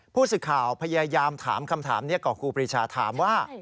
ผู้สื่อข่าวพยายามถามคำถามนี้กับครูปรีชาถามว่า